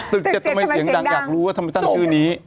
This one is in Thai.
จะทำไมเสียงดังอยากรู้ว่าทำไมตั้งชื่อนี้